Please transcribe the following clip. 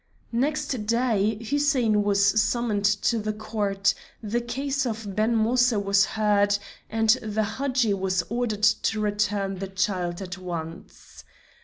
Next day Hussein was summoned to the court, the case of Ben Moïse was heard, and the Hadji was ordered to return the child at once.